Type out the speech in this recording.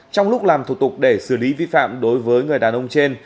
trong lúc làm thủ tục để xử lý vi phạm đối với người đàn ông trên